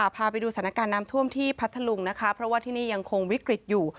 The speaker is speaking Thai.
พาไปดูสถานการณ์น้ำท่วมที่พัทธลุงนะคะเพราะว่าที่นี่ยังคงวิกฤตอยู่